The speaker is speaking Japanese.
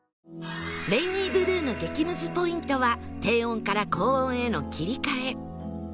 『レイニーブルー』の激ムズポイントは低音から高音への切り替え